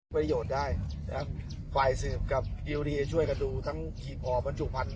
ประโยชน์ได้ครับฝ่ายสืบกับยูดีช่วยกันดูทั้งขี่พอบรรจุพันธุ์